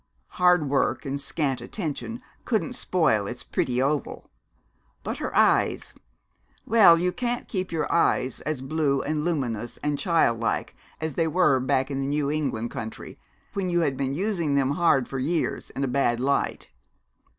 Hard work and scant attention couldn't spoil its pretty oval. But her eyes well, you can't keep your eyes as blue and luminous and childlike as they were back in the New England country, when you have been using them hard for years in a bad light.